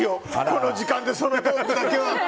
この時間で、その話だけは。